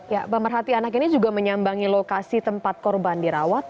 ya pemerhati anak ini juga menyambangi lokasi tempat korban dirawat